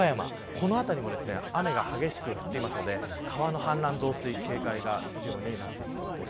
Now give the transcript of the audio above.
この辺りも雨が激しく降っているので川の氾濫と増水に警戒が必要になってきそうです。